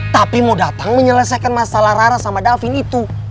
tapi mau datang menyelesaikan masalah rara sama dalvin itu